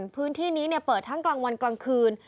พื้นที่นี้เปิดทั้งกลางวันกลางคืน